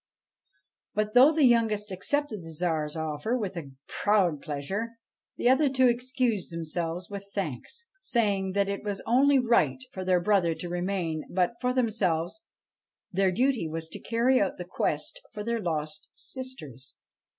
But, though the youngest accepted the Tsar's offer with a proud pleasure, the other two excused themselves with thanks, saying that N 105 BASHTCHELIK it was only right for their brother to remain, but, for themselves, their duty was to carry out the quest for their lost sisters.